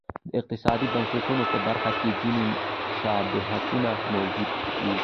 د اقتصادي بنسټونو په برخه کې ځیني شباهتونه موجود و.